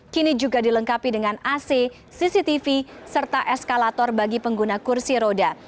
kini juga dilengkapi dengan ac cctv serta eskalator bagi pengguna kursi roda